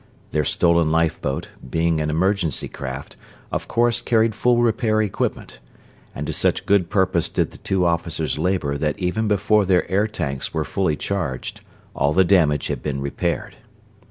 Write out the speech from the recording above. Their stolen lifeboat, being an emergency craft, of course carried full repair equipment; and to such good purpose did the two officers labor that even before their air tanks were fully charged, all the damage had been repaired.